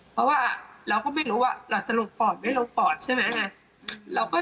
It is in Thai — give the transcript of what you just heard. เพราะว่าเราก็ไม่รู้ว่าเราจะหลุดปอดไม่ลงปอดใช่ไหม